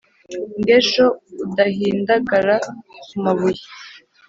ngo ejo udahindagara ku mabuye,